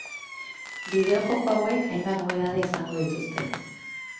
Bideo-joko hauek hainbat nobedade izango dituzte.